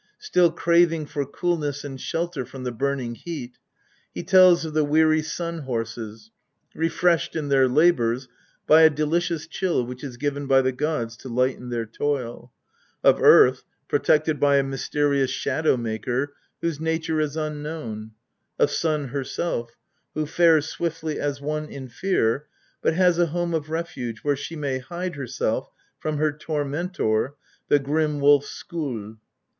Still craving for coolness and shelter from the burning heat, he tells of the weary Sun horses, refreshed in their labours by a delicious chill which is given by the gods to lighten their toil ; of earth, protected by a mysterious shadow maker whose nature is unknown ; of Sun herself, "who fares swiftly as one in fear," but has a home of refuge where she may hide herself from her tormentor, the grim wolf Skoll.